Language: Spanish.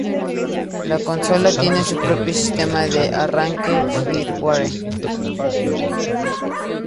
La consola tiene su propio sistema de arranque "firmware".